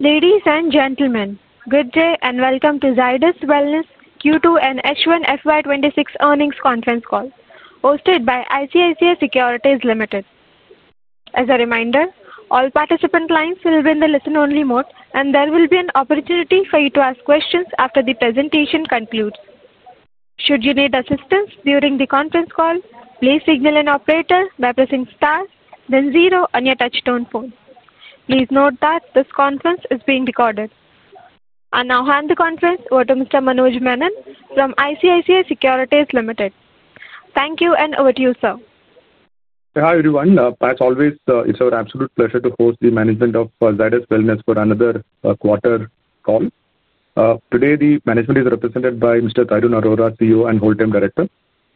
Ladies and gentlemen, good day and welcome to Zydus Wellness Q2 and H1 FY 2026 earnings conference call hosted by ICICI Securities Limited. As a reminder, all participant lines will be in the listen only mode and there will be an opportunity for you to ask questions after the presentation concludes. Should you need assistance during the conference call, please signal an operator by pressing star then zero on your touchstone phone. Please note that this conference is being recorded. I now hand the conference over to Mr. Manoj Menon from ICICI Securities Limited. Thank you. And over to you sir. Hi everyone. As always, it's our absolute pleasure to host the management of Zydus Wellness for another quarter call today. The management is represented by Mr. Tarun Arora, CEO and Whole Time Director,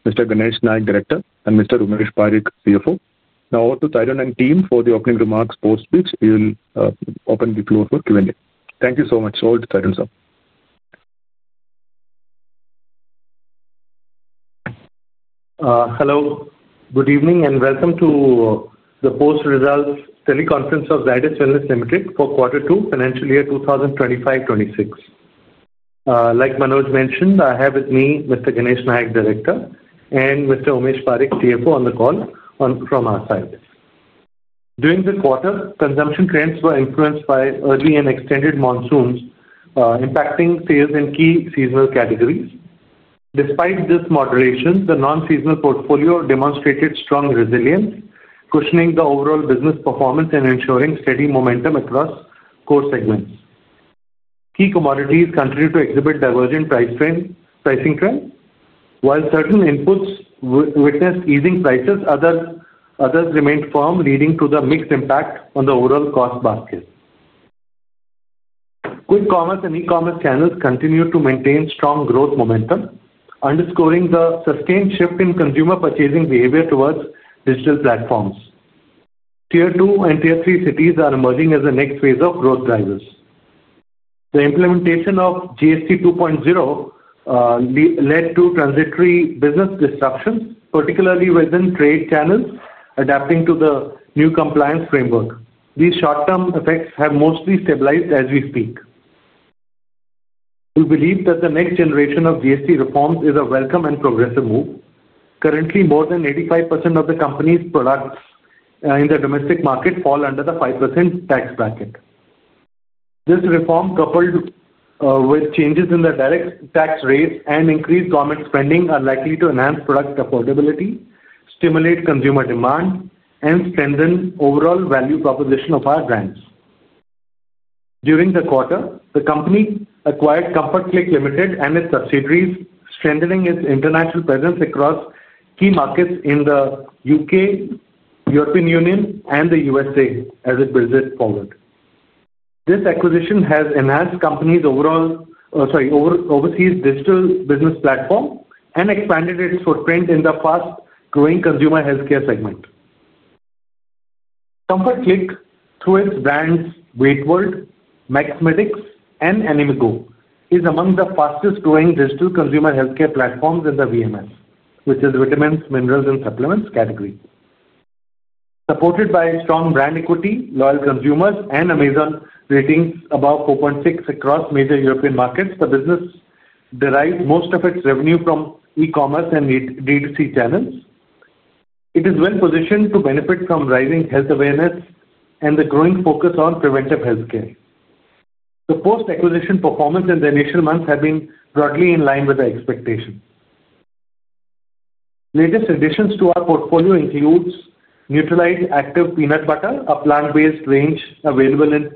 Mr. Ganesh Nayak, Director, and Mr. Umesh Parikh, CFO. Now over to Tarun and team for the opening remarks post which we will open the floor for Q&A. Thank you so much. Over to Tarun sir. Hello, good evening and welcome to the post results teleconference of Zydus Wellness Limited for quarter two financial year 2025-2026. Like Manoj mentioned, I have with me Mr. Ganesh Nayak, Director, and Mr. Umesh Parikh, CFO on the call from our side. During the quarter, consumption trends were influenced by early and extended monsoons impacting sales in key seasonal categories. Despite this moderation, the non-seasonal portfolio demonstrated strong resilience, cushioning the overall business performance and ensuring steady momentum across core segments. Key commodities continue to exhibit divergent pricing trend. While certain inputs witnessed easing prices, others remained firm, leading to the mixed impact on the overall cost basket. Quick commerce and e-commerce channels continue to maintain strong growth momentum, underscoring the sustained shift in consumer purchasing behavior towards digital platforms. Tier 2 and tier 3 cities are emerging as the next phase of growth drivers. The implementation of GST 2.0 led to transitory business disruptions, particularly within trade channels. Adapting to the new compliance framework, these short-term effects have mostly stabilized as we speak. We believe that the next generation of GST reforms is a welcome and progressive move. Currently, more than 85% of the company's products in the domestic market fall under the 5% tax bracket. This reform, coupled with changes in the direct tax rates and increased government spending, are likely to enhance product affordability, stimulate consumer demand, and strengthen overall value proposition of our brands. During the quarter, the company acquired Comfort Click Limited and its subsidiaries, strengthening its international presence across key markets in the U.K., European Union, and the USA. As it builds it forward, this acquisition has enhanced company's overseas digital business platform and expanded its footprint in the fast growing consumer healthcare segment. Comfort Click, through its brands WeightWorld, MaxMedix, and Animigo, is among the fastest growing digital consumer healthcare platforms in the VMs, which is vitamins, minerals, and supplements category. Supported by strong brand equity, loyal consumers, and Amazon ratings above 4.6 across major European markets. The business derives most of its revenue from e-commerce and D2C channels. It is well positioned to benefit from rising health awareness and the growing focus on preventive health care. The post acquisition performance in the initial months has been broadly in line with expectations. Latest additions to our portfolio include Nutralite Activ Peanut Butter, a plant-based range available in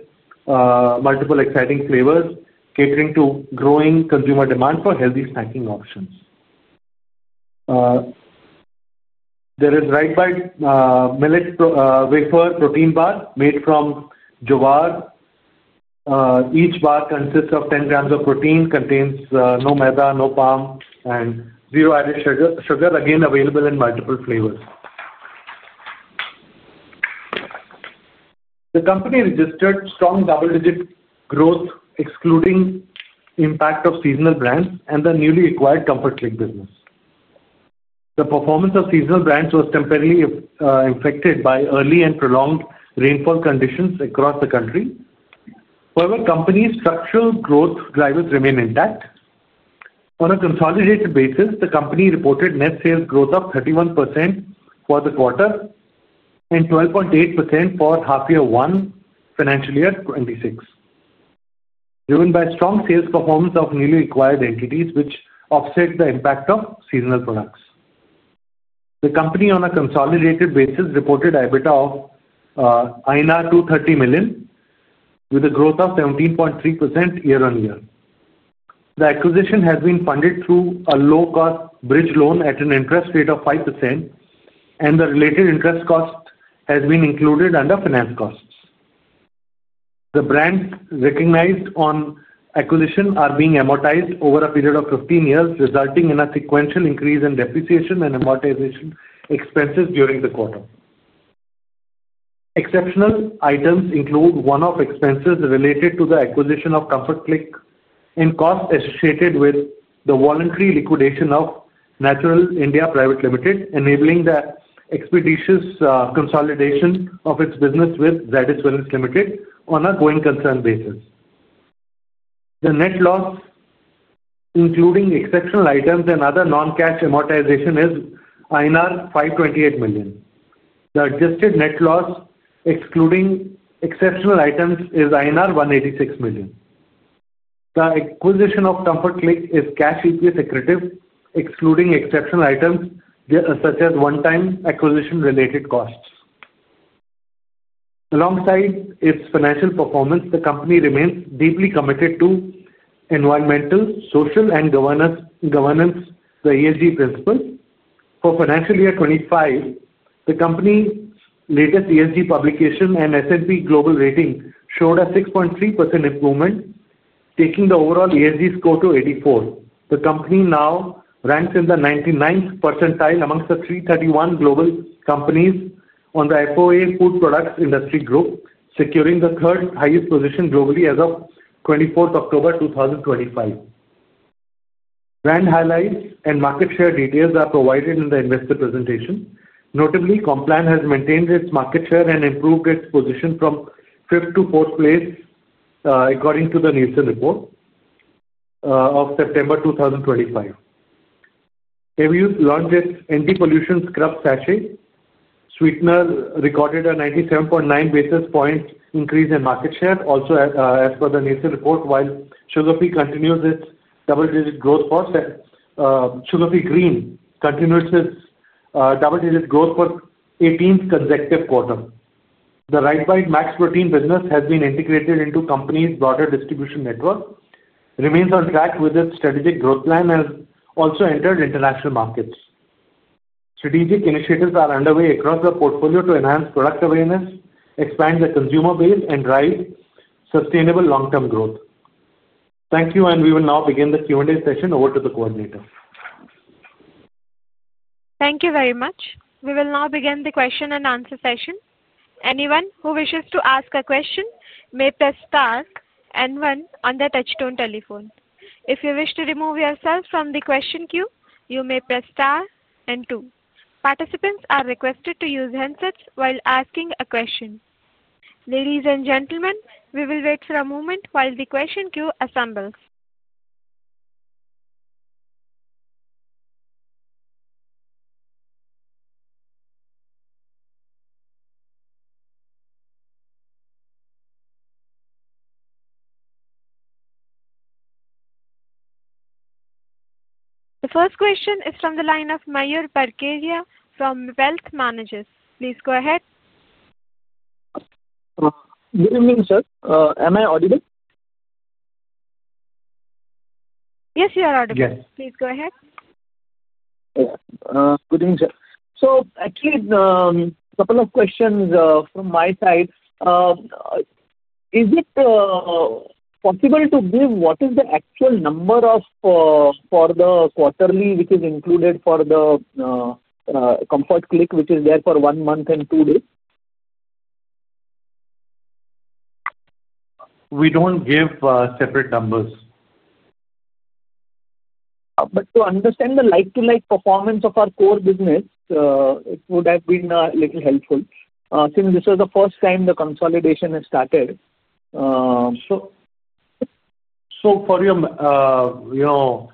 multiple exciting flavors catering to growing consumer demand for healthy snacking options. There is RiteBite Millet Wafer Protein Bar made from Jowar. Each bar consists of 10 grams of protein, contains no meta, no palm, and zero added sugar, again available in multiple flavors. The company registered strong double-digit growth excluding impact of seasonal brands and the newly acquired Comfort Click business. The performance of seasonal brands was temporarily affected by early and prolonged rainfall conditions across the country. However, the company's structural growth drivers remain intact. On a consolidated basis, the company reported net sales growth of 31% for the quarter and 12.8% for half year one financial year 2026 driven by strong sales performance of newly acquired entities which offset the impact of seasonal products. The company on a consolidated basis reported EBITDA of INR 230 million with a growth of 17.3% year-on-year. The acquisition has been funded through a low cost bridge loan at an interest rate of 5% and the related interest cost has been included under finance costs. The brands recognized on acquisition are being amortized over a period of 15 years resulting in a sequential increase in depreciation and amortization expenses during the quarter. Exceptional items include one-off expenses related to the acquisition of Comfort Click and costs associated with the voluntary liquidation of Natural India Private Limited enabling the expeditious consolidation of its business with Zydus Wellness Limited. On a going concern basis, the net loss including exceptional items and other non-cash amortization is INR 528 million. The adjusted net loss excluding exceptional items is INR 186 million. The acquisition of Comfort Click is Cash EPS accretive excluding exceptional items such as one-time acquisition related costs. Alongside its financial performance, the company remains deeply committed to environmental, social, and governance. The ESG principle for financial year 2025, the company's latest ESG publication and S&P Global rating showed a 6.3% improvement taking the overall ESG score to 84. The company now ranks in the 99th percentile amongst the 331 global companies on the FOA Food Products Industry group, securing the third highest position globally as of October 24th, 2025. Brand highlights and market share details are provided in the investor presentation. Notably, Complan has maintained its market share and improved its position from fifth to fourth place according to the Nielsen report of September 2025. Everyuth launched its anti-pollution scrub sachet. Sugar Free recorded a 97.9 basis point increase in market share. Also, as per the Nielsen report, while Sugar Free continues its double-digit growth process, Sugar Free Green continues its double-digit growth for the 18th consecutive quarter. The RiteBite Max Protein business has been integrated into the company's broader distribution network, remains on track with its strategic growth plan, and also entered international markets. Strategic initiatives are underway across the portfolio to enhance product awareness, expand the consumer base, and drive sustainable long term growth. Thank you, and we will now begin the Q&A session. Over to the operator. Thank you very much. We will now begin the question-and-answer session. Anyone who wishes to ask a question may press star and one on the touchtone telephone. If you wish to remove yourself from the question queue, you may press star and two. Participants are requested to use handsets while asking a question. Ladies and gentlemen, we will wait for a moment while the question queue assembles. The first question is from the line of Mayur Parkeria from Wealth Managers. Please go ahead. Good evening sir. Am I audible? Yes, you are audible. Please go ahead. Actually, a couple of questions from my side. Is it possible to give what is the actual number for the quarterly which is included for the Comfort Click which is there for one month and two days? We don't give separate numbers. But to understand the like-to-like performance of our core business it would have been a little helpful since this is the first time the consolidation has started. For your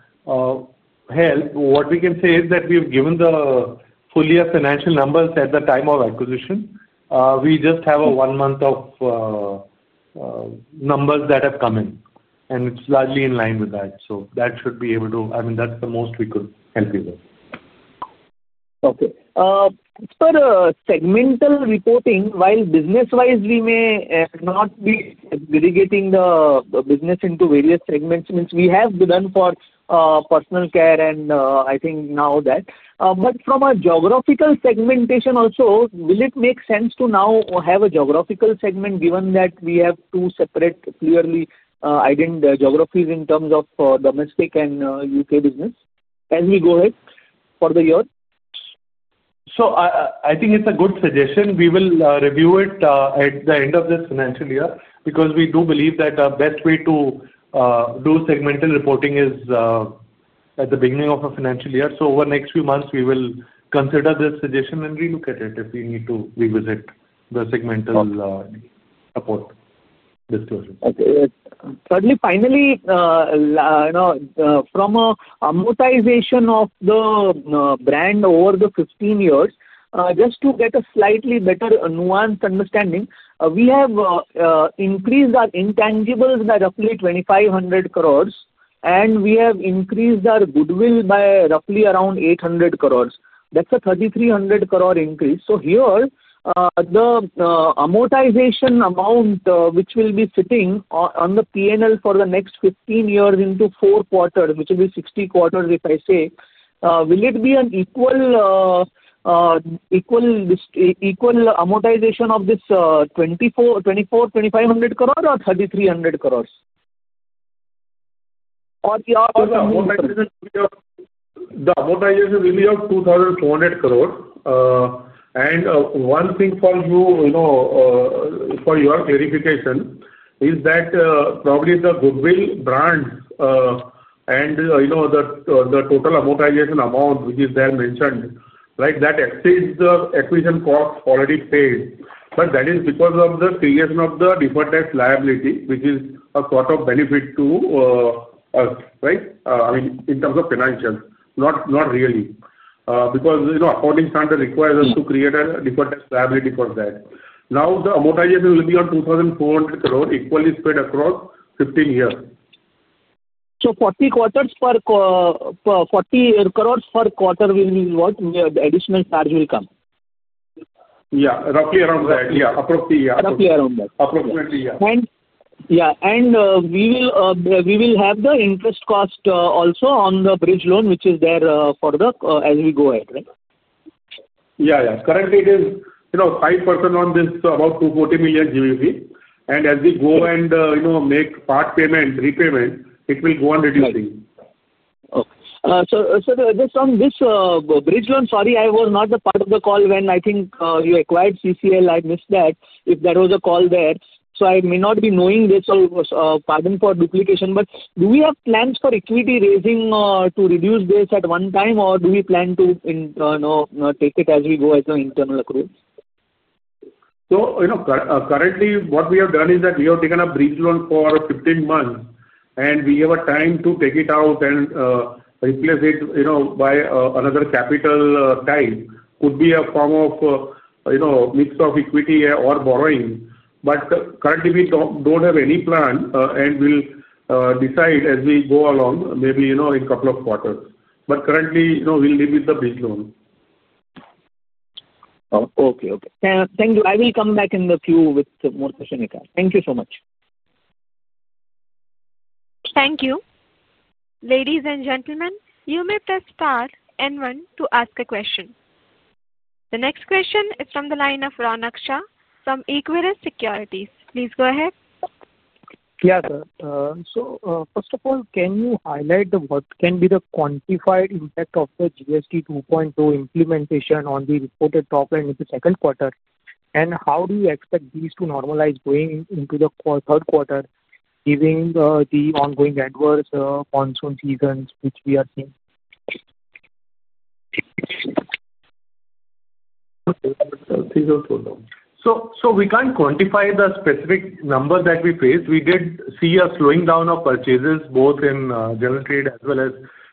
help what we can say is that we've given the full year financial numbers at the time of acquisition. We just have one month of numbers that have come in and it's largely in line with that. That should be able to, I mean that's the most we could help you with. Okay. For segmental reporting, while business wise we may not be relegating the business into various segments means we have been for personal care and I think now that but from a geographical segmentation also will it make sense to now have a geographical segment given that we have two separate clearly identifications in terms of domestic and U.K. business as we go ahead for the year. I think it's a good suggestion. We will review it at the end of this financial year because we do believe that the best way to do segmental reporting is at the beginning of a financial year. Over next few months we will consider this suggestion and relook at it if we need to revisit the segmental support disclosures. Certainly finally From an amortization of the brand over the 15 years, just to get a slightly better nuanced understanding, we have increased our intangibles by roughly 2,500 crore. And we have increased our goodwill by roughly around 800 crore. That's a 3,300 crore increase. Here the amortization amount which will be sitting on the P&L for the next 15 years into four quarters, which will be 60 quarters. If I say, will it be an equal, equal, equal amortization of this 2,400 crore or 2,500 crore or INR 3,300 crore. The amortization will be of 2,400 crore. And one thing for you, you know, for your clarification is that probably the goodwill, brand, and you know, the total amortization amount which is there mentioned like that exceeds the acquisition cost already paid. That is because of the creation of the deferred tax liability which is a sort of benefit to us, right? I mean in terms of financials. Not really because, you know, accounting standard requires us to create a deferred liability for that. Now the amortization will be on 24,000 million equally spread across 15 years. So 40 quarters, 400 million per quarter will be what additional charge will come. Yeah, roughly around that. Yeah, roughly around that. Approximately, yeah. And yeah, we will, we will have the interest cost also on the bridge loan which is there for the. As we go ahead. Yeah, yeah. Currently it is, you know, 5% on this, about 240 million GBP. And as we go and, you know, make part payment repayment, it will go on reducing. Okay, so this on this bridge loan. Sorry, I was not the part of the call when I think you acquired Comfort Click, I missed that if there was a call there. So I may not be knowing this or pardon for duplicate, but do we have plans for equity raising to reduce this at one time or do we plan to take it as we go as an internal accruals? So currently what we have done is that we have taken a bridge loan for 15 months and we have a time to take it out and replace it by another capital type could be a form of mix of equity or borrowing but currently we do not have any plan and we will decide as we go along maybe in couple of quarters but currently we will live with the bridge loan. Okay. Okay, thank you. I will come back in the queue with more questions. Thank you so much. Thank you. Ladies and gentlemen, you may press star and one to ask a question. The next question is from the line of Shaurya Shah from Equrius Securities. Please go ahead. Yeah, so first of all can you highlight the what can be the quantified impact of the GST 2.0 implementation on the reported top line in the second quarter and how do you expect these to normalize going into the third quarter giving the ongoing adverse monsoon seasons which we are seeing. We can't quantify the specific number that we face. We did see a slowing down of purchases both in general trade as well as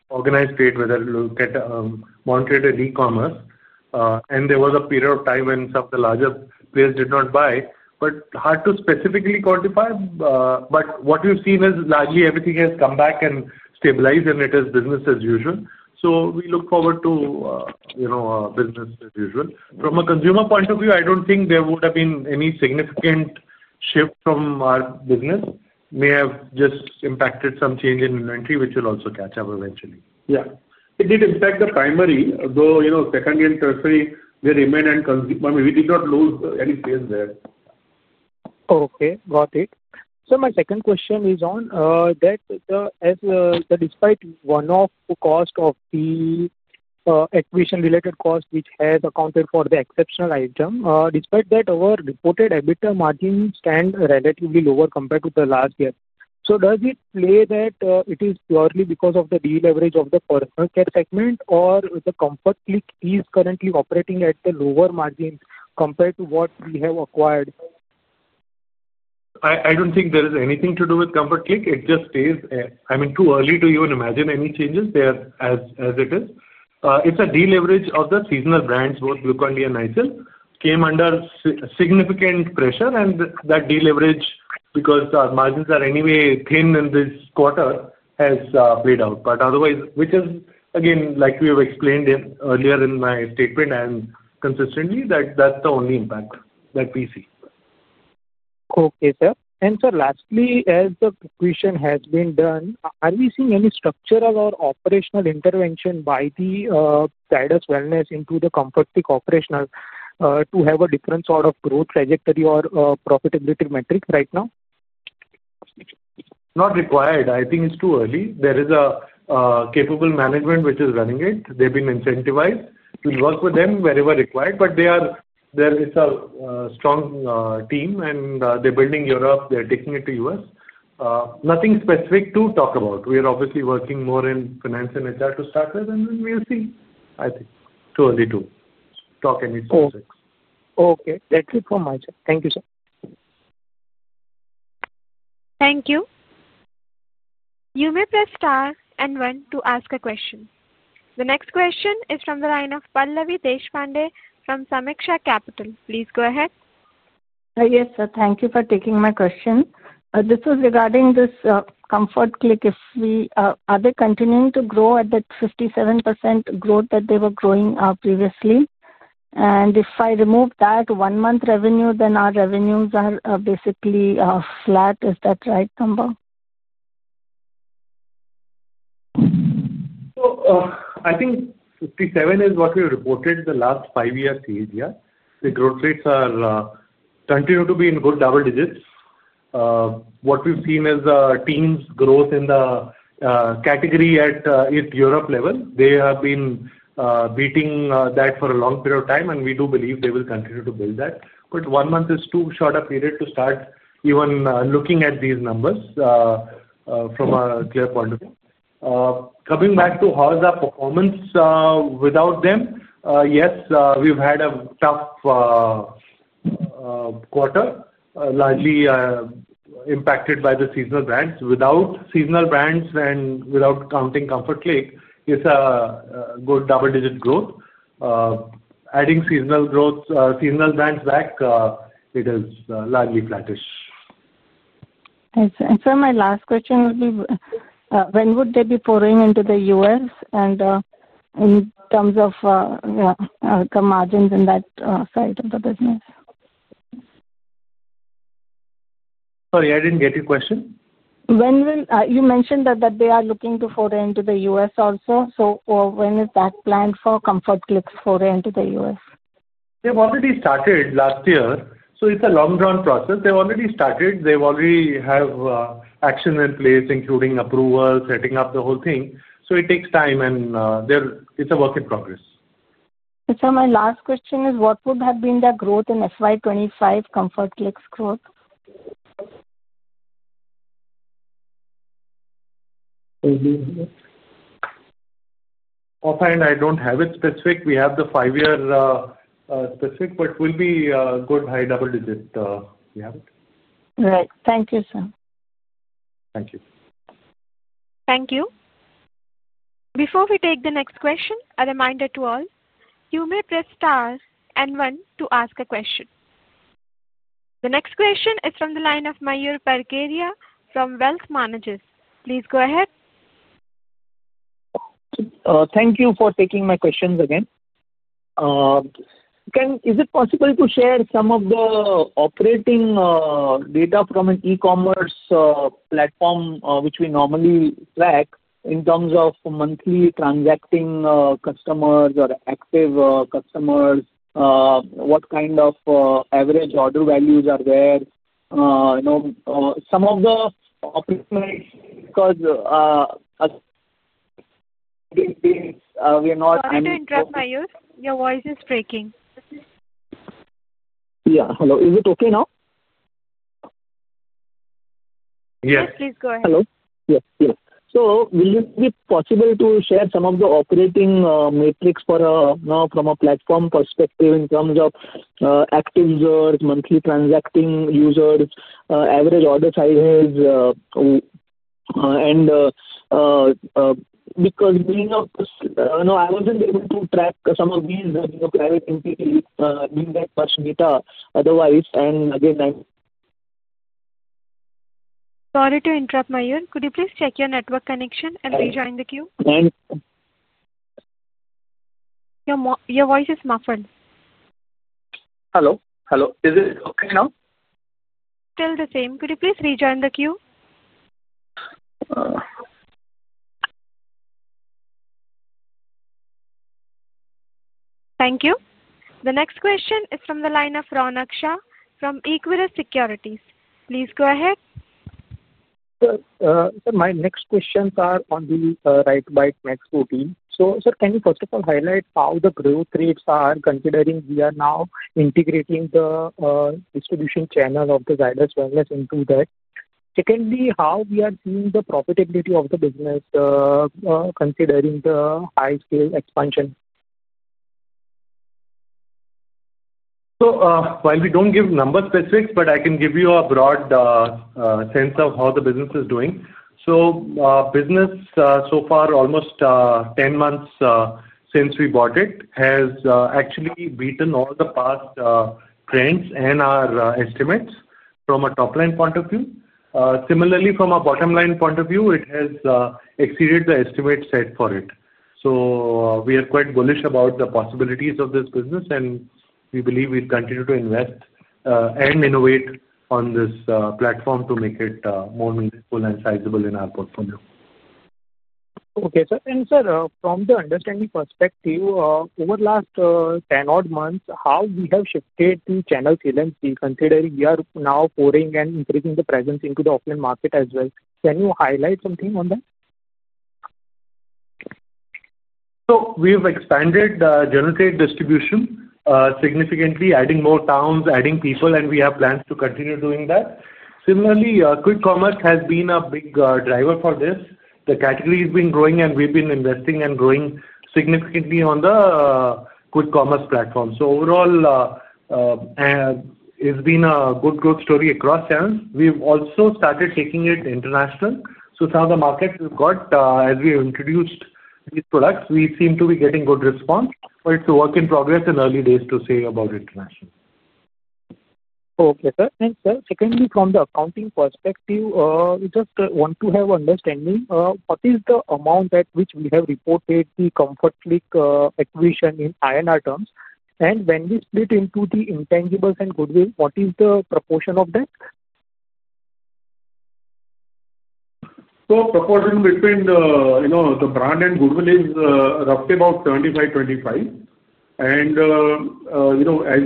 organized trade whether you look at modern trade, e-commerce, and there was a period of time when some of the larger players did not buy, but hard to specifically quantify. What we've seen is largely everything has come back and stabilized and it is business as usual. We look forward to business as usual from a consumer point of view. I don't think there would have been any significant shift from our business, may have just impacted some change in inventory which will also catch up eventually. Yeah, it did impact the primary though. You know, secondary and tertiary, they remain and we did not lose any sales there. Okay, got it. My second question is on that, as despite one-off cost of the acquisition-related cost which has accounted for the exceptional item, despite that our reported EBITDA margin stands relatively lower compared to last year. Does it play that it is purely because of the deleverage of the personal care segment or the Comfort Click is currently operating at the lower margin compared to what we have acquired? I don't think there is anything to do with Comfort Click. It just stays, I mean too early to even imagine any changes there as it is. It's a deleverage of the seasonal brands. Both Glucon-D and Nycil came under significant pressure and that deleverage because our margins are anyway thin in this quarter has played out. Otherwise, which is again like we have explained earlier in my statement and consistently that that's the only impact that we see. Okay sir. Sir, lastly as the question has been done, are we seeing any structural or operational intervention by the Zydus Wellness into the Comfort Click operational to have a different sort of growth trajectory or profitability metric right now? Not required. I think it's too early. There is a capable management which is running it. They've been incentivized. Work with them wherever required. They are there. It's a strong team and they're building Europe. They're taking it to us. Nothing specific to talk about. We are obviously working more in finance and HR to start with and we'll see. I think too early to talk me. Okay, that's it from my side. Thank you sir. Thank you. You may press star and one to ask a question. The next question is from the line of Pallavi Deshpande from Sameeksha Capital. Please go ahead. Yes sir. Thank you for taking my question. This is regarding this Comfort Click. If we are they continuing to grow at that 57% growth that they were growing previously and if I remove that one month revenue then our revenues are basically flat. Is that right? I think 57 is what we reported the last five years. The growth rates continue to be in good double digits. What we've seen is team's growth in the category at 8th Europe level. They have been beating that for a long period of time and we do believe they will continue to build that. One month is too short a period to start. Even looking at these numbers from a clear point of view, coming back to how is our performance without them? Yes, we've had a tough quarter largely impacted by the seasonal brands. Without seasonal brands and without counting Comfort Click, it's a good double digit growth. Adding seasonal growth, seasonal brands back, it is largely flattish. My last question would be when would they be pouring into the U.S. and in terms of the margins in that side of the business? Sorry, I didn't get your question. When will you mentioned that they are looking to foray into the U.S. also. So when is that planned for Comfort Click's foray into the U.S.? They've already started last year so it's a long drawn process. They've already started. They already have action in place including approval, setting up the whole thing. It takes time and it's a work in progress. My last question is what would have been the growth in FY 2025 Comfort Click's growth? I don't have it specific. We have the five year specific but will be good high double digit. Right. Thank you, sir. Thank you. Thank you. Before we take the next question, a reminder to all you may press star and one to ask a question. The next question is from the line of Mayur Parkeria from Wealth Managers. Please go ahead. Thank you for taking my questions again. Is it possible to share some of the operating data from an e-commerce platform which we normally track in terms of monthly transacting customers or active customers. What kind of average order values are there? You know, some of the Because we are not Your voice is breaking. Yeah, hello. Is it okay now? Yes, Yes, please go ahead. Hello. Yes. Yeah. Will it be possible to share some of the operating matrix for now from a platform perspective in terms of active users, monthly transacting users, average order size, because I wasn't able to track some of these private entities otherwise. Again Sorry to interrupt. Could you please check your network connection and rejoin the queue? Your voice is muffled. Hello? Hello? Is it okay now? Still the same. Could you please rejoin the queue? Thank you. The next question is from the line of Shaurya Shah from Equirus Securities. Please go ahead. My next questions are on the RiteBite Max Protein Bar. So sir, can you first of all highlight how the growth rates are considering we are now integrating the distribution channel of the Zydus Wellness into that. Secondly, how we are seeing the profitability of the business considering the high scale expansion. While we do not give number specifics, I can give you a broad sense of how the business is doing. The business so far, almost 10 months since we bought it, has actually been beating all the past trends and our estimates from a top line point of view. Similarly, from a bottom line point of view, it has exceeded the estimates set for it. We are quite bullish about the possibilities of this business and we believe we continue to invest and innovate on this platform to make it more meaningful and sizable in our portfolio. Okay sir. Sir, from the understanding perspective, over the last 10 odd months, how have we shifted channel salience? We consider we are now pouring and increasing the presence into the offline market as well. Can you highlight something on that? We have expanded general trade distribution significantly, adding more towns, adding people, and we have plans to continue doing that. Similarly, Quick Commerce has been a big driver for this. The category has been growing and we've been investing and growing significantly on the platform. Overall, it's been a good growth story across channels. We've also started taking it international, so some of the markets have got, as we introduced these products, we seem to be getting good response, but it's a work in progress in early days to say about international. Okay sir, and sir, secondly, from the accounting perspective, we just want to have understanding what is the amount at which we have reported the Comfort Click acquisition in INR terms, and when we split into the intangibles and goodwill, what is the proportion of that? So proportion between, you know, the brand and goodwill is roughly about 25, 25. And you know, as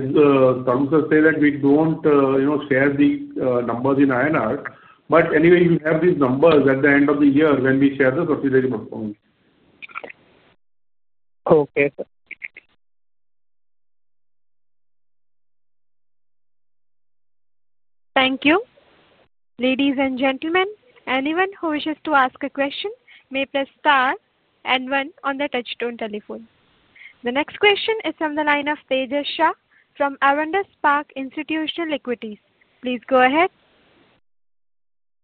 counsel says that we don't, you know, share the numbers in INR. But anyway, you have these numbers at the end of the year when we share the subsidiary. Okay. Thank you. Ladies and gentlemen, anyone who wishes to ask a question may press star and one on the touch-tone telephone. The next question is from the line of Tejas Shah from Avendus Park Institutional Equities. Please go ahead.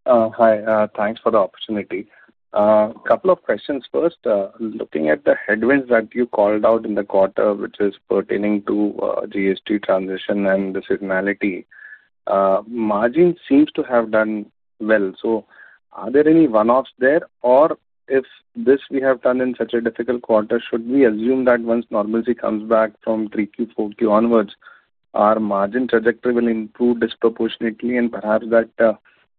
Hi, thanks for the opportunity. A couple of questions. First, looking at the headwinds that you called out in the quarter which is pertaining to GST transition and the seasonality, margin seems to have done well. Are there any one-offs there? Or if this we have done in such a difficult quarter, should we assume that once normalcy comes back from 3Q, 4Q onwards our margin trajectory will improve disproportionately and perhaps that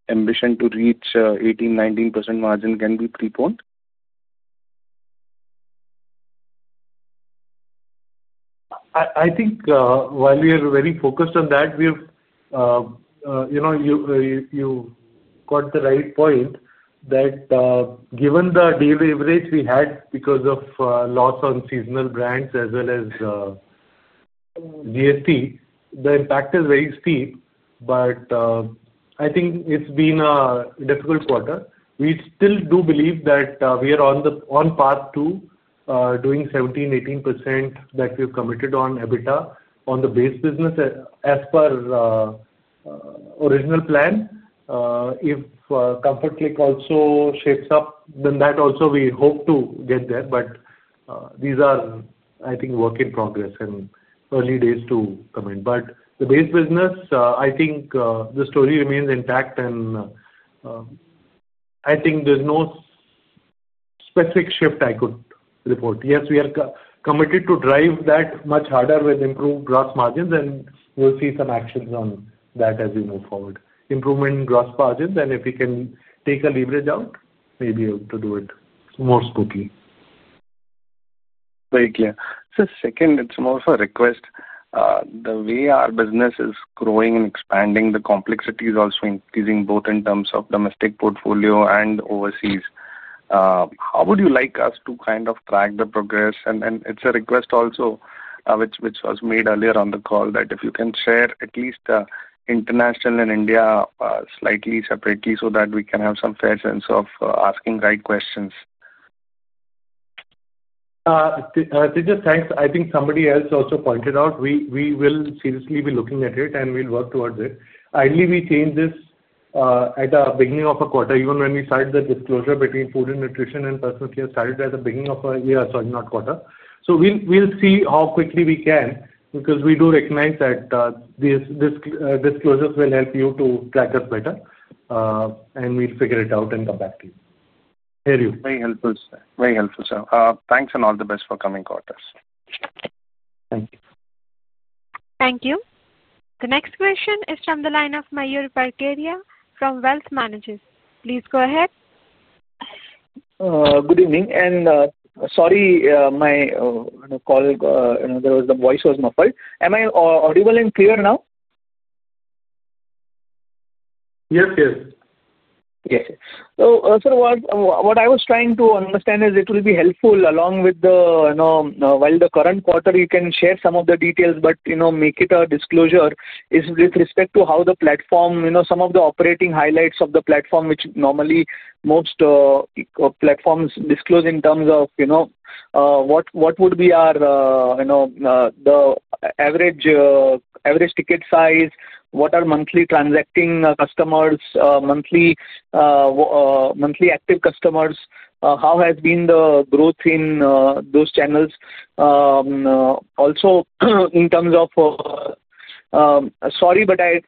ambition to reach 18-19% margin can be preponed. I think while we are very focused on that, you got the right point that given the daily average we had because of loss on seasonal brands as well as GST, the impact is very steep. I think it's been a difficult quarter. We still do believe that we are on path to doing 17%-18% that we've committed on EBITDA on the base business as per original plan. If Comfort Click also shapes up then that also we hope to get there. These are, I think, work in progress and early days to, but the base business, I think the story remains intact and I think there's no specific shift I could report. Yes, we are committed to drive that much harder with improved gross margins and we'll see some actions on that as we move forward. Improvement in gross margins and if we can take a leverage out maybe to do it more spooky. Very clear. Second, it's more of a request. The way our business is growing and expanding, the complexity is also increasing both in terms of domestic portfolio and overseas, how would you like us to kind of track the progress? It is a request also which was made earlier on the call that if you can share at least international and India slightly separately so that we can have some fair sense of asking right questions. Thanks. I think somebody else also pointed out we will seriously be looking at it and we'll work towards it. Ideally we change this at the beginning of a quarter. Even when we started the disclosure between food and nutrition and personal care started at the beginning of a year, sorry, not quarter. We'll see how quickly we can because we do recognize that these disclosures will help you to track us better and we'll figure it out and come back to you. Very helpful, very helpful sir. Thanks and all the best for coming quarters. Thank you. Thank you. The next question is from the line of Mayur Parkeria from Wealth Managers. Please go ahead. Good evening and sorry my call there was the voice was muffled. Am I audible and clear now? Yes, yes. What I was trying to understand. It will be helpful, along with the current quarter, if you can share some of the details, but you know, make it a disclosure with respect to how the platform, you know, some of the operating highlights of the platform, which normally most platforms disclose in terms of, you know, what would be our, you know, the average ticket size, what are monthly transact customers, monthly active customers. How has been the growth in those channels? Also, in terms of, sorry, but I,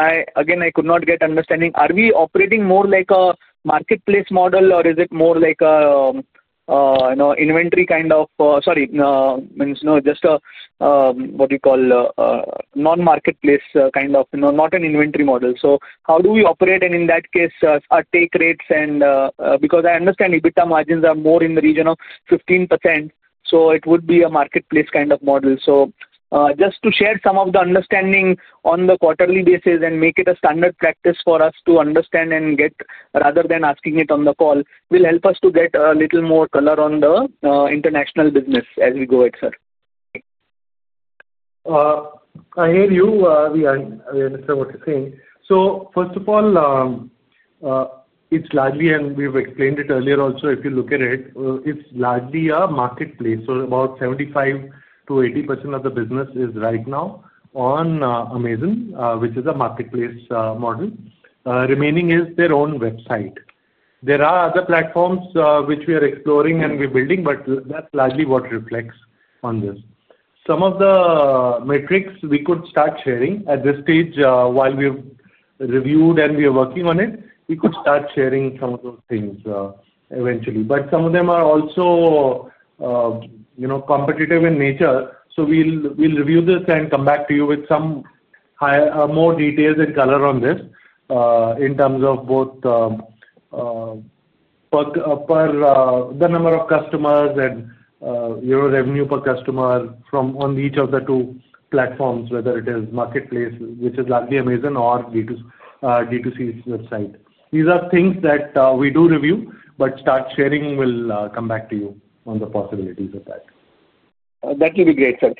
I again, I could not get understanding, are we operating more like a marketplace model or is it more like a, you know, inventory kind of, sorry, means, no, just a, what you call, non-marketplace kind of, you know, not an inventory model. How do we operate and in case take rates and because I understand EBITDA margins are more in the region of 15% so it would be a marketplace kind of model. Just to share some of the understanding on the quarterly basis and make it a standard practice for us to understand and get rather than asking it on the call will help us to get a little more color on the international business as we go. Sir, I hear you, we understand what you're saying. First of all, it's largely, and we've explained it earlier also, if you look at it, it's largely a marketplace. About 75%-80% of the business is right now on Amazon, which is a marketplace model. Remaining is their own website. There are other platforms which we are exploring and we are building, but that is largely what reflects on this. Some of the metrics we could start sharing at this stage while we reviewed and we are working on it, we could start sharing some of those things eventually, but some of them are also competitive in nature. We will review this and come back to you with some more details and color on this in terms of both the number of customers and revenue per customer from on each of the two platforms. Whether it is Marketplace, which is largely Amazon, or D2C's website, these are things that we do review but start sharing will come back to you on the possibilities of that. That will be great sir.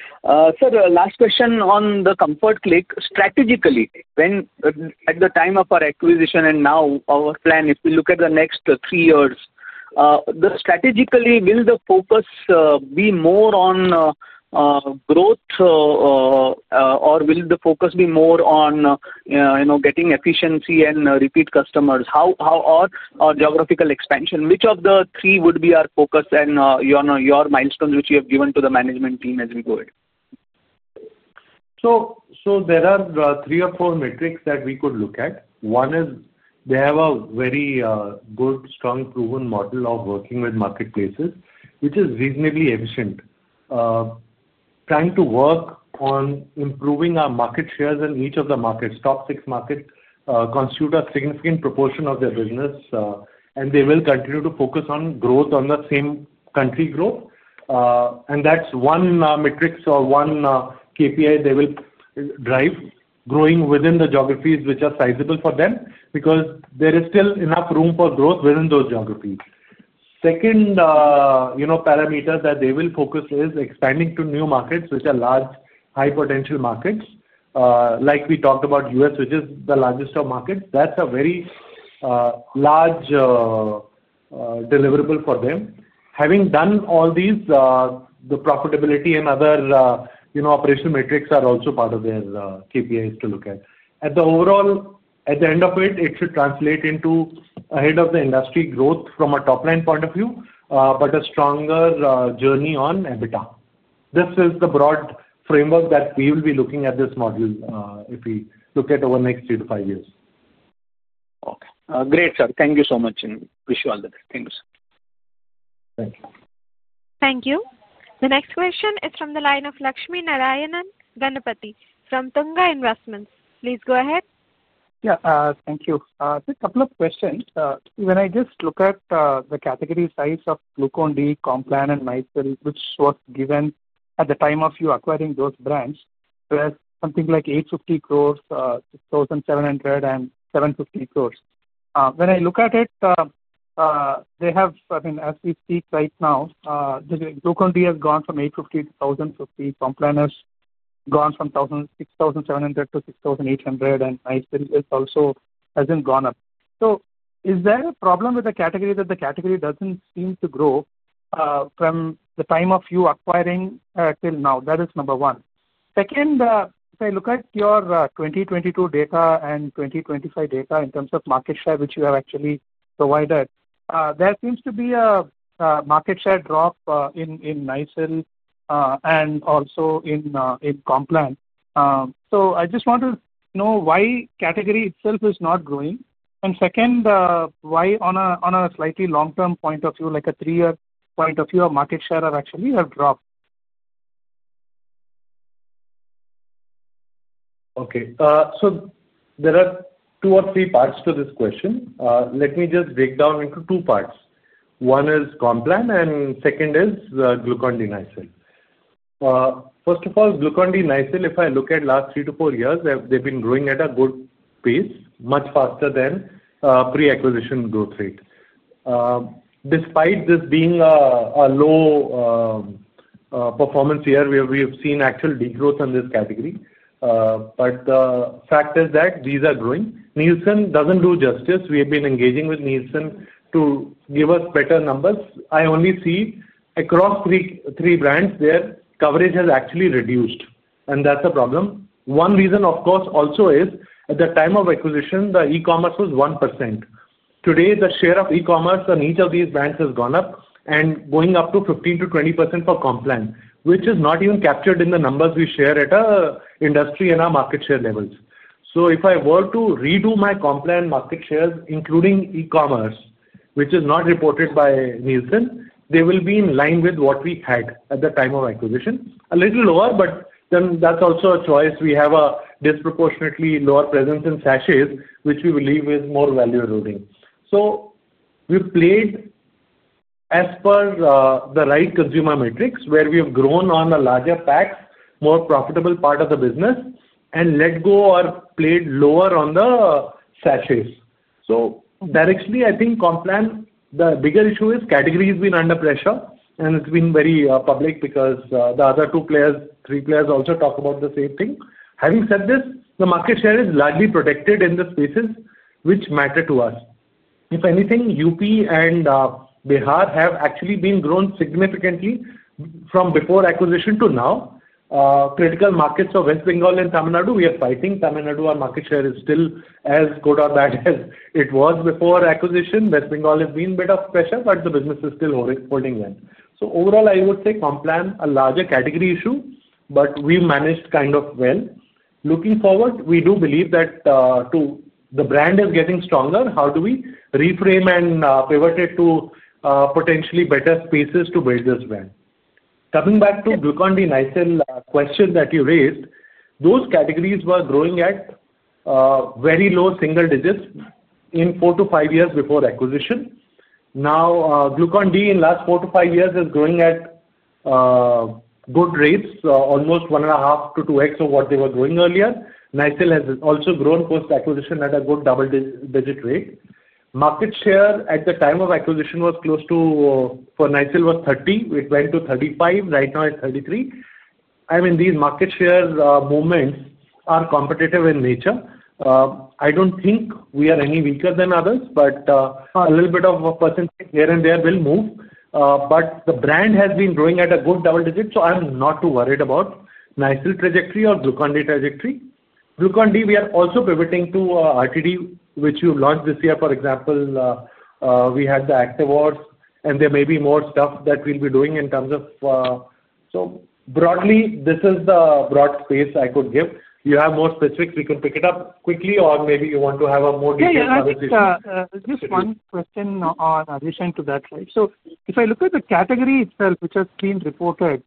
Last question on the Comfort Click strategically at the time of our acquisition and now our plan. If we look at the next three years strategically, will the focus be more on growth or will the focus be more on getting efficiency and repeat customers? How are geographical expansion? Which of the three would be our focus? Your milestones which you have given to the management team as we go ahead. There are three or four metrics that we could look at. One is they have a very good, strong, proven model of working with marketplaces which is reasonably efficient. Trying to work on improving our market shares in each of the markets. Top six markets constitute a significant proportion of their business and they will continue to focus on growth on the same country growth and that's one metric or one KPI. They will drive growth within the geographies which are sizable for them because there is still enough room for growth within those geographies. Second parameter that they will focus on is expanding to new markets which are large high potential markets like we talked about U.S., which is the largest of markets. That is a very large deliverable for them. Having done all these, the profitability and other operational metrics are also part of their KPIs to look at. At the overall, at the end of it, it should translate into ahead of the industry growth from a top line point of view but a stronger journey on EBITDA. This is the broad framework that we will be looking at this model if we look at over next three to five years. Great sir, thank you so much and wish you all the best. Thank you sir. Thank you. The next question is from the line of Lakshmi Narayanan Ganapati from Tunga Investments. Please go ahead. Yeah, thank you. Couple of questions. When I just look at the category size of Glucon-D, Complan, and Nycil which was given at the time of you acquiring those brands, there's something like 8.5 billion, 6.7 billion-7.5 billion. When I look at it, they have, I mean as we speak right now the group only has gone from 8.5 billion-10.0 billion. So the Complan line has gone from 6.7 billion-6.8 billion and also hasn't gone up. Is there a problem with the category that the category doesn't seem to grow from the time of you acquiring till now. That is number one. Second, if I look at your 2022 data and 2025 data in terms of market share which you have actually provided, there seems to be a market share drop in Nycil and also in Complan. I just want to know why category itself is not growing. Second, why on a slightly long-term point of view, like a three-year point of view, our market share have actually dropped. Okay, there are two or three parts to this question. Let me just break down into two parts. One is Complan and second is Glucon-D, Nycil. First of all, Glucon-D, Nycil. If I look at last three to four years, they've been growing at a good pace, much faster than pre-acquisition growth rate. Despite this being a low performance year, we have seen actual degrowth in this category. The fact is that these are growing. Nielsen does not do justice. We have been engaging with Nielsen to give us better numbers. I only see across three brands, their coverage has actually reduced and that is a problem. One reason of course also is at the time of acquisition the e-commerce was 1%. Today the share of E-commerce on each of these brands has gone up and going up to 15%-20% for Complan, which is not even captured in the numbers we share at an industry and our market share levels. If I were to redo my Complan market shares, including E-commerce, which is not reported by Nielsen, they will be in line with what we had at the time of acquisition, a little lower. That is also a choice. We have a disproportionately lower presence in sachets, which we believe is more value. We played as per the right consumer metrics where we have grown on the larger packs, more profitable part of the business, and let go or played lower on the sachets. Directionally I think Complan, the bigger issue is category has been under pressure and it's been very public because the other two players, three players also talk about the same thing. Having said this, the market share is largely protected in the spaces which matter to us if anything. UP and Bihar have actually been grown significantly from before acquisition to now. Critical markets of West Bengal and Tamil Nadu. We are fighting Tamil Nadu. Our market share is still as good or bad as it was before acquisition. West Bengal has been bit of pressure but the business is still holding well. Overall I would say Complan a larger category issue, but we managed kind of well. Looking forward, we do believe that the brand is getting stronger. How do we reframe and pivot it to potentially better spaces to build this brand? Coming back to Glucon-D and Nycil question that you raised, those categories were growing at very low single digits in 4-5 years before acquisition. Now Glucon-D in last 4-5 years is growing at good rates. Almost 1.5-2x of what they were doing earlier. Nycil has also grown post acquisition at a good double-digit rate. Market share at the time of acquisition for Nycil was 30%, it went to 35%. Right now it's 33%. I mean these market share moments are competitive in nature. I don't think we are any weaker than others but a little bit of percentage here and there will move. The brand has been growing at a good double-digit. I'm not too worried about Nycil trajectory or Glucon-D trajectory. Glucon-D, we are also pivoting to RTD, which we launched this year, for example. We had the Activors, and there may be more stuff that we'll be doing in terms of, so broadly, this is the broad space I could give. If you have more specifics, we can pick it up quickly, or maybe you want to have a more detailed conversation. Just one question to that. If I look at the category itself, which has been reported,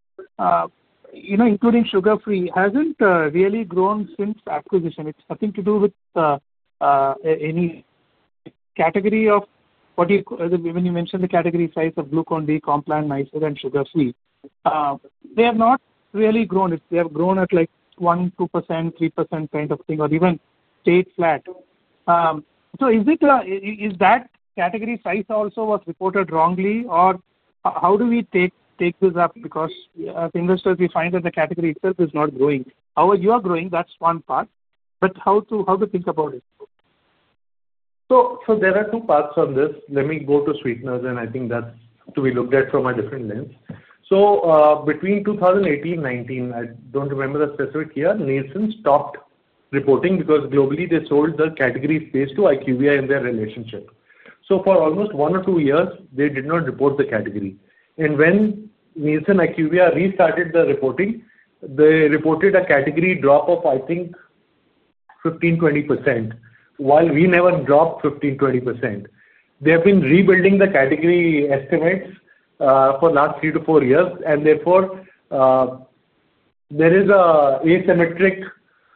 you know, including Sugar Free, it hasn't really grown since acquisition. It's nothing to do with any category of what you call, when you mentioned the category size of Glucon-D, Complan, Nycil, and Sugar Free, they have not really grown. They have grown at like 1%-2%, 3% kind of thing, or even stayed flat. Is that category size also was reported wrongly, or how do we take this up? Because as investors we find that the category itself is not growing. However, you are growing. That's one part. But how to think about it. There are two parts on this. Let me go to sweeteners and I think that's to be looked at from a different lens. Between 2018-2019, I don't remember the specific year Nielsen stopped reporting because globally they sold the category phase to IQVIA in their relationship. For almost one or two years they did not report the category. When Nielsen IQVIA restarted the reporting, they reported a category drop of, I think, 15-20% while we never dropped 15-20%. They have been rebuilding the category estimates for the last three to four years and therefore there is an asymmetric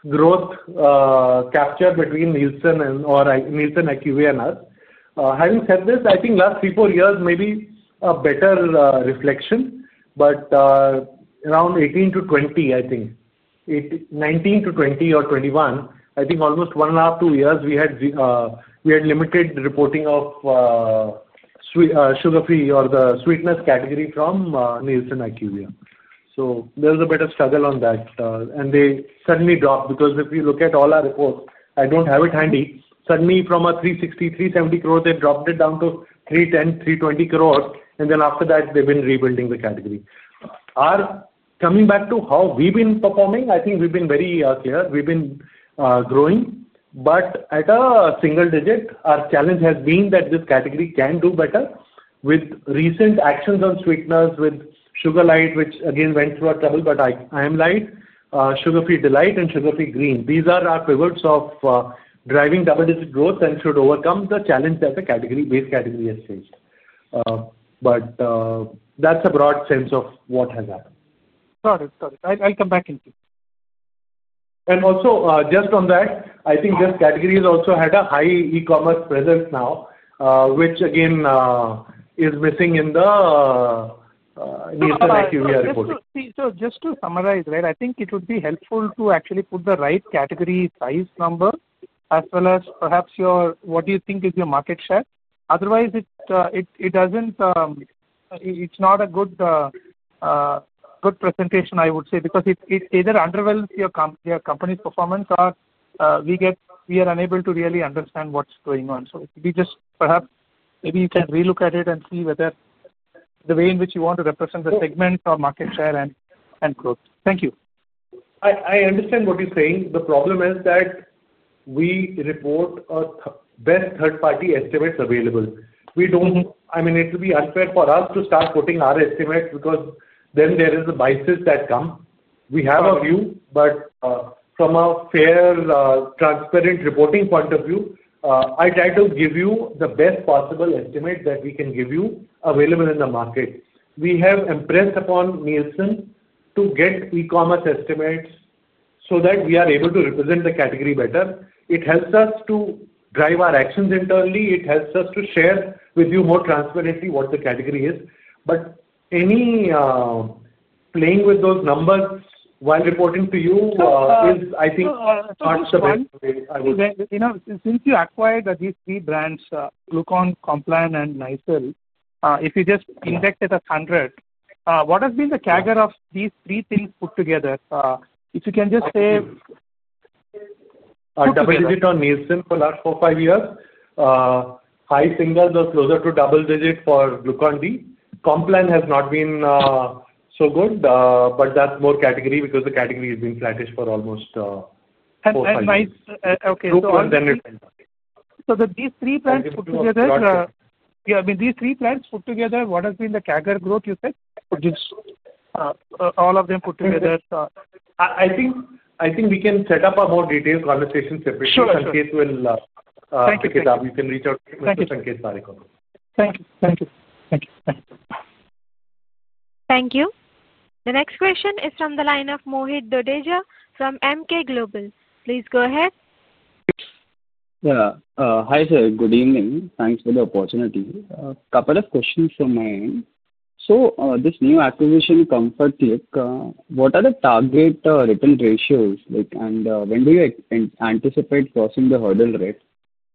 growth capture between Nielsen or Nielsen IQVIA and us. Having said this, I think last three, four years may be a better reflection. Around 18-20, I think 19-20 or 21, I think almost one and a half, two years we had limited reporting of Sugar Free or the sweetness category from Nielsen Acuvia. There was a bit of struggle on that and they suddenly dropped because if you look at all our reports, I don't have it handy, suddenly from 360-370 crore they dropped it down to 310-320 crore and then after that they've been rebuilding the category. Coming back to how we've been performing, I think we've been very clear we've been growing but at a single digit. Our challenge has been that this category can do better with recent actions on sweeteners, with Sugar Free Delight and Sugar Free Green. These are our pivots of driving double-digit growth and should overcome the challenge that the base category has changed, but that's a broad sense of what has happened. Got it, got it. I'll come back in. Also, just on that, I think this category has also had a high e-commerce presence now, which again is missing in the— So just to summarize, right. I think it would be helpful to actually put the right category size number as well as perhaps your what do you think is your market share. Otherwise, it does not, it is not a good presentation I would say because it either underwhelms your company's performance or we are unable to really understand what is going on. Perhaps maybe you can relook at it and see whether the way in which you want to represent the segment or market share and growth. Thank you. I understand what you are saying. The problem is that we report best third party estimates available. We don't, I mean, it would be unfair for us to start putting our estimates because then there is a bias that comes. We have a view, but from a fair, transparent reporting point of view, I try to give you the best possible estimate that we can give you available in the market. We have impressed upon Nielsen to get E-commerce estimates so that we are able to represent the category better. It helps us to drive our actions internally. It helps us to share with you more transparently what the category is. Any playing with those numbers while reporting to you is, I think, not the best. Since you acquired these three brands, Glucon-D, Complan, and Nycil, if you just index it at 100, what has been the CAGR of these three things put together? If you can just say Double digit on Nielsen for last 45 years, high singles are closer to double digit for Glucon-D. Complan has not been so good, but that's more category because the category has been flattish for almost, so that these three plans put together. Yeah, I mean, these three plans put together, what has been the CAGR growth? You said all of them put together. I think, I think we can set up a more detailed conversation separately. You can reach out. Thank you. Thank you. Thank you. Thank you. The next question is from the line of Mohit Dodeja from Emkay Global. Please go ahead. Yeah. Hi sir, good evening. Thanks for the opportunity. A couple of questions from my end. This new acquisition Comfort Click, what are the target return ratios like and when do you anticipate crossing the hurdle rate?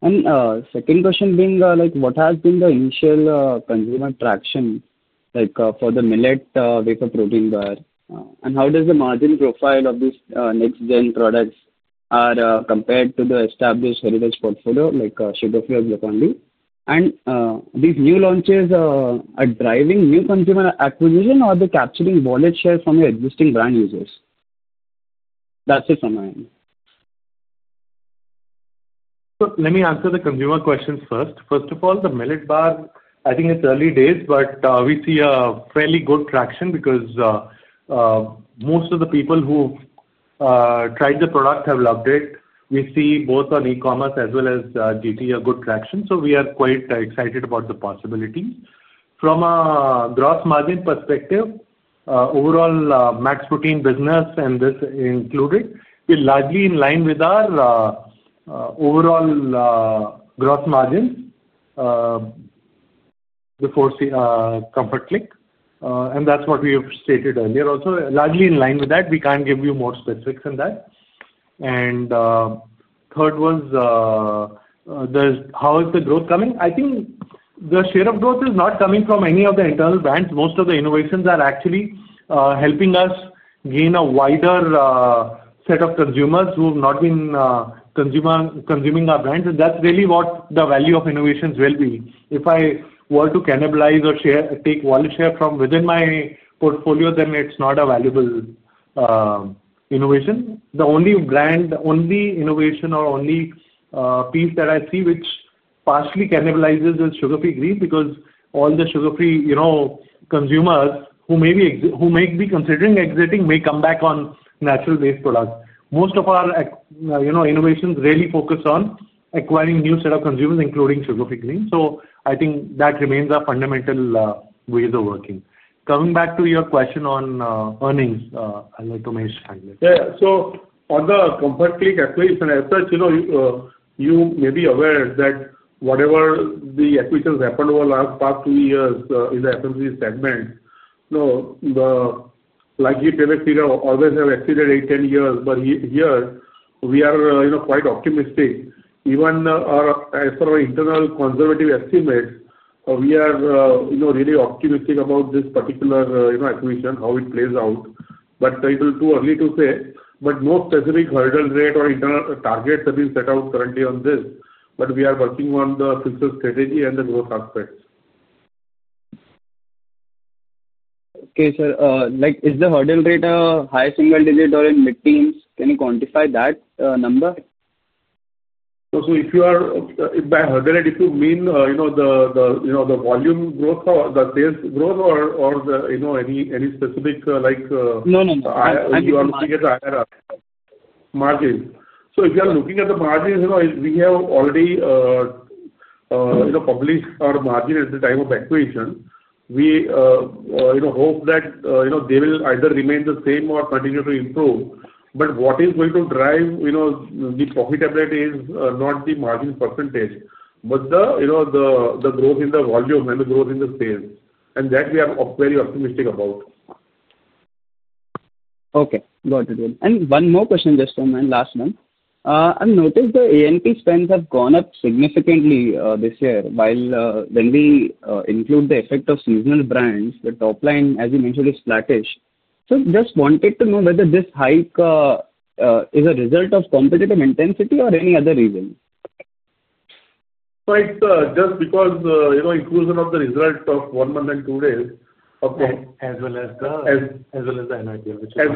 Second question being what has been the initial consumer traction like for the millet wafer protein bar and how does the margin profile of these next-gen products compare to the established heritage portfolio like Sugar Free or Glucon-D? Are these new launches driving new consumer acquisition or are they capturing wallet share from your existing brand users? That's it from my end. Let me answer the consumer questions first. First of all, the millet bar, I think it's early days but we see fairly good traction because most of the people who tried the product have loved it. We see both on e-commerce as well as GT a good traction. We are quite excited about the possibilities from a gross margin perspective. Overall, Max Protein business and this included is largely in line with our overall gross margins before Comfort Click, and that's what we have stated earlier also, largely in line with that. We can't give you more specifics than that. Third was how is the growth coming? I think the share of growth is not coming from any of the internal brands. Most of the innovations are actually helping us gain a wider set of consumers who have not been consuming our brands, and that's really what the value of innovations will be. If I were to cannibalize or take wallet share from within my portfolio, then it's not a valuable innovation. The only brand, the only innovation or only piece that I see which partially cannibalizes is Sugar Free Green because all the Sugar Free, you know, consumers who maybe who may be considering exiting may come back on natural-based products. Most of our innovations really focus on acquiring new set of consumers including Sugar Free. I think that remains our fundamental ways of working. Coming back to your question on earnings, on the Comfort Click acquisition as such you may be aware that whatever the acquisitions happened over the last past two years in the FMC segment, they likely have exceeded 8-10 years. Here we are quite optimistic even as per our internal conservative estimates, we are really optimistic about this particular acquisition, how it plays out. It is too early to say. No specific hurdle rate or internal targets have been set out currently on this. We are working on the fixed strategy and the growth aspects. Okay sir, like is the hurdle rate a high single digit or in mid teens, can you quantify that number? If by hurdle rate you mean, you know, the volume growth or the sales growth or any specific—like, no, no, margin. If you are looking at the margins, you know we have already published our margin at the time of acquisition. We hope that they will either remain the same or continue to improve. What is going to drive the profitability is not the margin percentage but the growth in the volume and the growth in the sales. We are very optimistic about that. Okay, got it. One more question just from my last one, I noticed the A&P spends have gone up significantly this year. While when we include the effect of seasonal brands, the top line as you mentioned is flattish. I just wanted to know whether this hike is a result of competitive intensity or any other reason. Just because, you know, inclusion of the result of one month and two days as well as the nit, as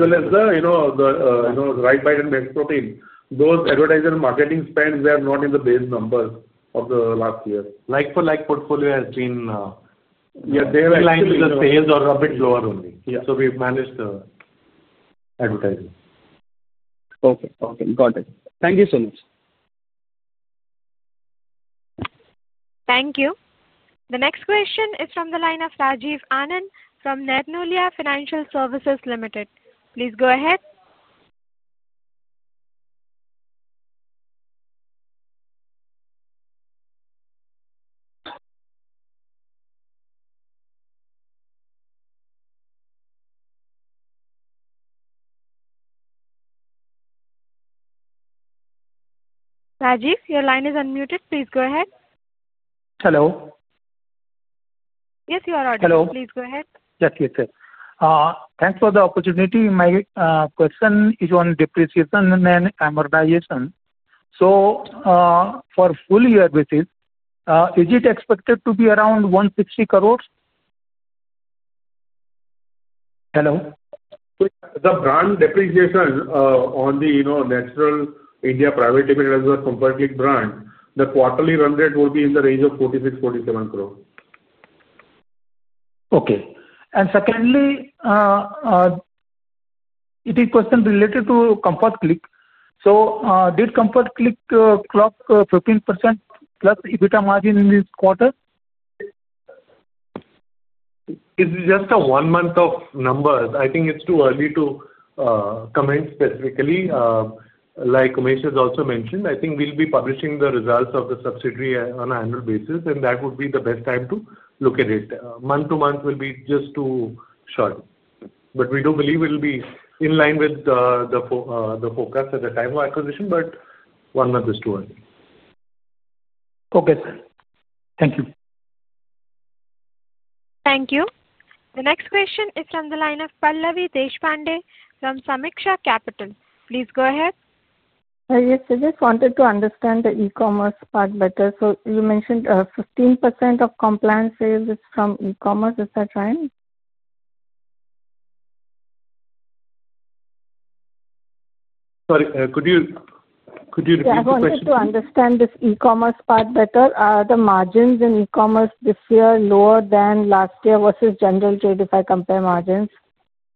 well as the, you know, the RiteBite and Max Protein. Those advertiser marketing spends were not in the base numbers of last year. Like for like portfolio has been. The sales are a bit lower only. We have managed the advertising. Okay. Okay, got it. Thank you so much. Thank you. The next question is from the line of Rajiv Anand from Netnulia Financial Services Limited. Please go ahead. Rajiv, your line is unmuted. Please go ahead. Hello. Yes, you are. Hello. Please go ahead. Yes. Yes sir. Thanks for the opportunity. My question is on depreciation and amortization. For full year basis is it expected to be around 1.60 billion? Hello. The brand depreciation on the, you know, Natural India Private Limited brand. The quarterly run rate will be in the range of 460 million-470 million. Okay. Secondly, it is a question related to Comfort Click. Did Comfort Click clock 15%+ EBITDA margin in this quarter? It's just one month of numbers. I think it's too early to comment specifically. Like Umesh has also mentioned, I think we'll be publishing the results of the subsidiary on an annual basis and that would be the best time to look at it. Month to month will be just too short. We do believe it will be in line with the forecast at the time of acquisition, but one month is too early. Okay sir, thank you. Thank you. The next question is from the line of Pallavi Deshpande from Sameeksha Capital. Please go ahead. Yes, I just wanted to understand the E-commerce part better. You mentioned 15% of Complan sales is from E-commerce, is that right? Sorry, could you Could you understand this E-commerce part better? The margins in E-commerce this year lower than last year versus general trade. If I compare margins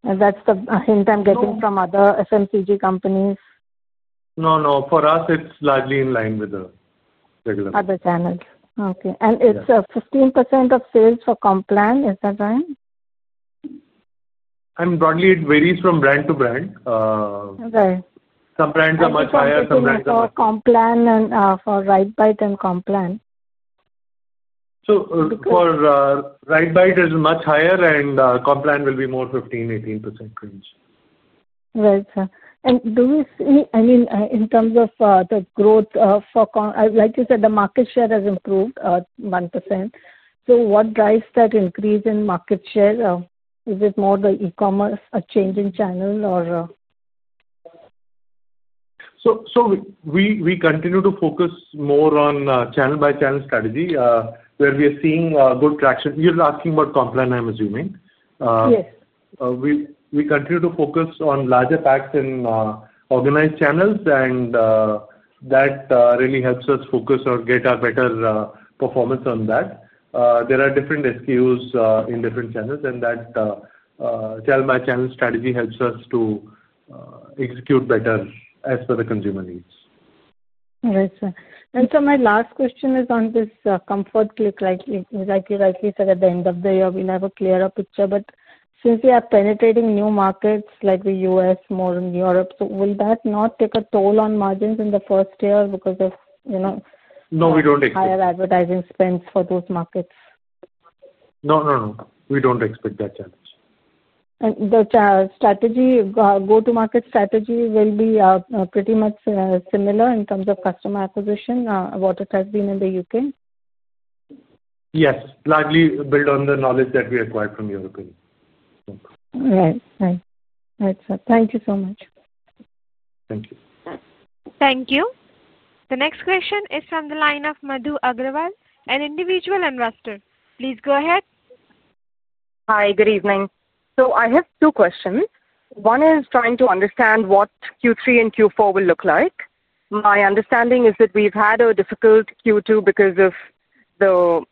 and that's the hint I'm getting from other FMCG companies. No, no. For us it's largely in line with the other channels. Okay. And it's a 15% of sales for Complan, is that right? I'm broadly it varies from brand to brand. Right. Some brands are much higher. Some brands are Complan and for RiteBite and Complan. For Rite Bite, it is much higher, and Complan will be more in the 15-18% range. Right sir. Do we see, I mean in terms of the growth for Complan, like you said, the market share has improved 1%. What drives that increase in market share? Is it more the e-commerce, a change in channel, or? We continue to focus more on channel by channel strategy where we are seeing good traction. You're asking about Complan. I'm assuming we continue to focus on larger packs in organized channels and that really helps us focus or get our better performance on that. There are different SKUs in different channels and that channel by channel strategy helps us to execute better as per the consumer needs. My last question is on this Comfort Click. Like you rightly said, at the end of the year we'll have a clearer picture. But since we are penetrating new markets like the U.S., more in Europe, will that not take a toll on margins in the first year because of, you know. No, we don't. Higher advertising spends for those markets. No, no. We don't expect that challenge. The strategy, go-to-market strategy, pretty much similar in terms of customer acquisition, what it has been in the U.K. Yes. Largely build on the knowledge that we acquired from European. Thank you so much. Thank you. Thank you. The next question is from the line of Madhu Agrawal, an individual investor. Please go ahead. Hi, good evening. I have two questions. One is trying to understand what Q3 and Q4 will look like. My understanding is that we've had a difficult Q2 because of the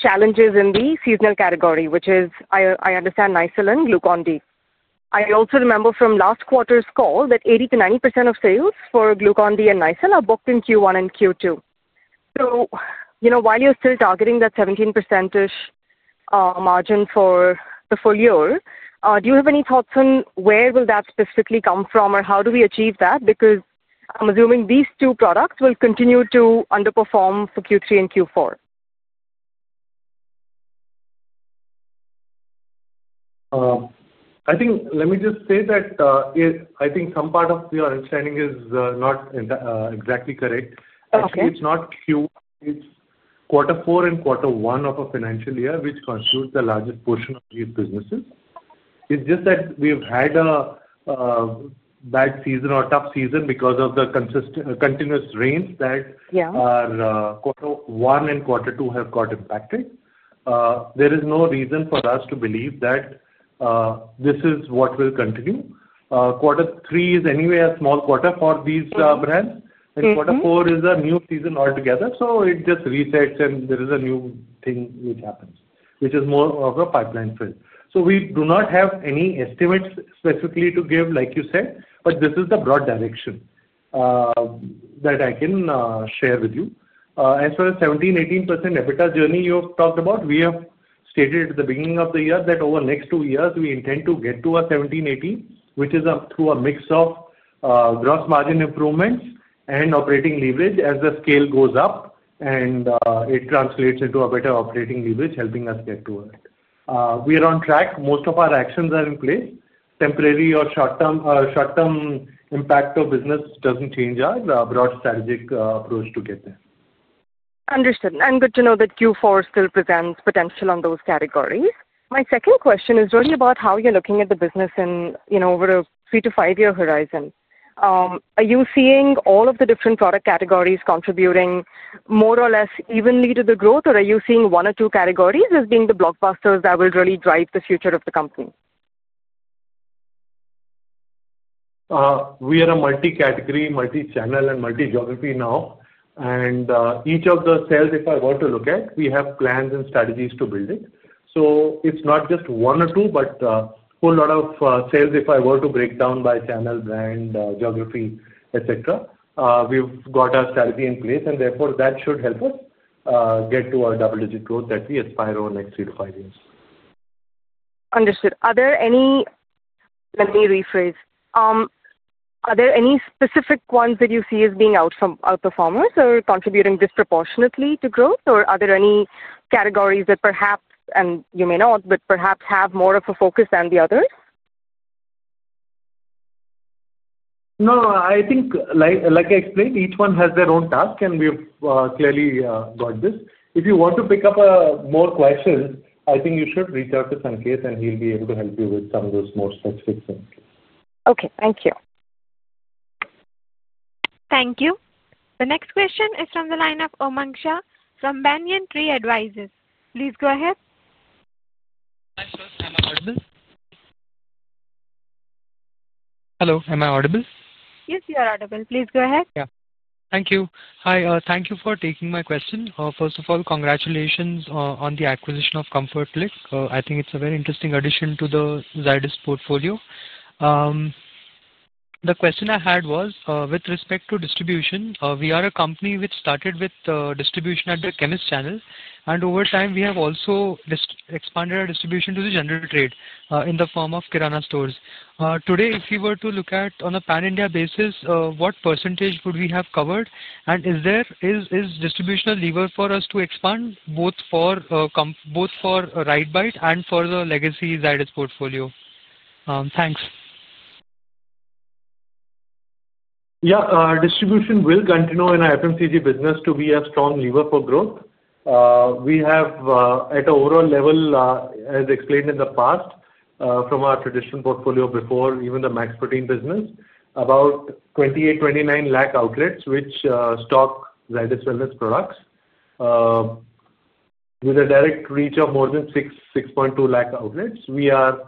challenges in the seasonal category, which is, I understand, Nycil and Glucon-D. I also remember from last quarter's call that 80-90% of sales for Glucon-D and Nycil are booked in Q1 and Q2. You know, while you're still targeting that 17% margin for the full year, do you have any thoughts on where will that specifically come from or how do we achieve that? Because I'm assuming these two products will continue to underperform for Q3 and Q4. I think. Let me just say that I think some part of your understanding is not exactly correct. Actually it's not quarter four and quarter one of a financial year which constitutes the largest portion of these businesses. It's just that we have had a bad season or tough season because of the continuous rains that quarter one and quarter two have got impacted. There is no reason for us to believe that this is what will continue. Quarter three is anyway a small quarter for these brands and quarter four is a new season altogether. It just resets and there is a new thing which happens which is more of a pipeline fill. We do not have any estimates specifically to give like you said, but this is the broad direction that I can share with you as far as 17%-18% EBITDA journey you have talked about. We have stated at the beginning of the year that over the next two years we intend to get to a 17%-18% which is through a mix of gross margin improvements and operating leverage as the scale goes up and it translates into a better operating leverage helping us get to it. We are on track. Most of our actions are in place. Temporary or short term impact of business does not change our broad strategic approach to get there. Understood and good to know that Q4 still presents potential on those categories. My second question is really about how you're looking at the business over a 3-5 year horizon. Are you seeing all of the different product categories contributing more or less evenly to the growth or are you seeing one or two categories as being the blockbusters that will really drive the future of the company? We are a multi-category, multi-channel, and multi-geography now and each of the cells if I were to look at, we have plans and strategies to build building. So it's not just one or two but whole lot of sales. If I were to break down by channel, brand, geography, etc, we've got our strategy in place and therefore that should help us get to our double-digit growth that we aspire over next three to five years. Understood. Are there any, let me rephrase, are there any specific ones that you see as being outperformance or contributing disproportionately to growth or are there any categories that perhaps, and you may not, but perhaps have more of a focus than the others? No, I think like I explained, each one has their own task and we've clearly got this. If you want to pick up more questions, I think you should reach out to Sankesh and he'll be able to help you with some of those more specific things. Okay, thank you. Thank you. The next question is from the line of Umang Shah from Banyan Tree Advisors. Please go ahead. Hello. Am I audible? Yes, you are audible. Please go ahead. Thank you. Hi, thank you for taking my question. First of all, congratulations on the acquisition of Comfort Click. I think it's a very interesting addition to the Zydus portfolio. The question I had was with respect to distribution, we are a company which started with distribution at the chemist channel and over time we have also expanded our distribution to the general trade in the form of Kirana stores. Today, if you were to look at on a Pan India basis, what percentage would we have covered and is distribution a lever for us to expand both for Rite Bite and for the legacy Zydus portfolio? Thanks. Yeah. Distribution will continue in our FMCG business to be a strong lever for growth. We have at overall level as explained in the past from our traditional portfolio before even the Max Protein business, about 2.8-2.9 million outlets which stock Zydus Wellness products with a direct reach of more than 620,000 outlets. We are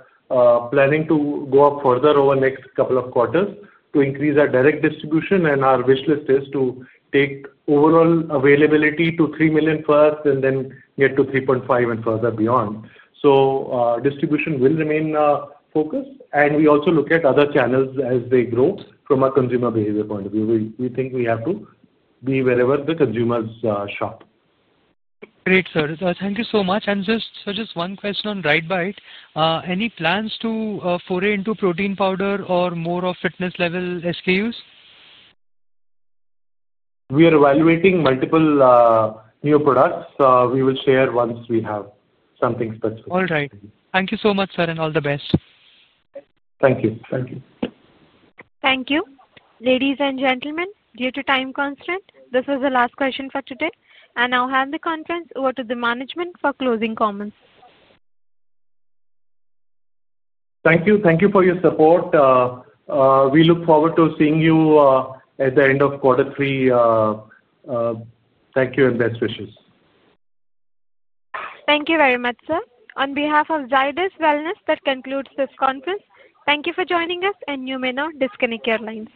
planning to go up further over next couple of quarters to increase our direct distribution and our wish list is to take overall availability to 3 million first and then get to 3.5 and further beyond. Distribution will remain focused and we also look at other channels as they grow. From a consumer behavior point of view, we think we have to be wherever the consumers shop. Great, sir, thank you so much. Just one question on RiteBite. Any plans to foray into protein powder or more of fitness level SKUs? We are evaluating multiple new products we will share once we have something special. All right, thank you so much sir and all the best. Thank you. Thank you. Thank you. Ladies and gentlemen, due to time constraint, this is the last question for today. I now hand the conference over to the management for closing comments. Thank you. Thank you for your support. We look forward to seeing you at the end of quarter three. Thank you and best wishes. Thank you very much sir. On behalf of Zydus Wellness. That concludes this conference. Thank you for joining us and you may now disconnect your lines.